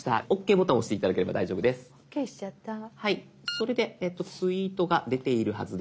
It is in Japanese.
それでツイートが出ているはずです。